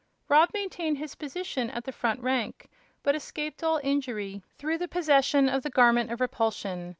Rob maintained his position in the front rank, but escaped all injury through the possession of the Garment of Repulsion.